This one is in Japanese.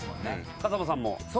風間さんも？